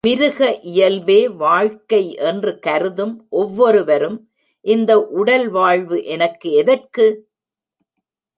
மிருக இயல்பே வாழ்க்கை என்று கருதும் ஒவ்வொருவரும், இந்த உடல் வாழ்வு எனக்கு எதற்கு?